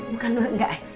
bukan luar enggak